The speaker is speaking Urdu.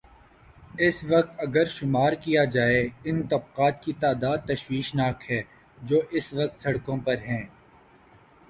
اس وقت اگر شمارکیا جائے، ان طبقات کی تعداد تشویش ناک ہے جو اس وقت سڑکوں پر ہیں۔